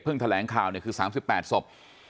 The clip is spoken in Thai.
เพิ่งแถลงข่าวเนี่ยคือ๓๘ศพ